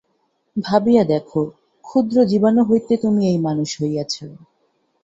ভাবিয়া দেখ, ক্ষুদ্র জীবাণু হইতে তুমি এই মানুষ হইয়াছ।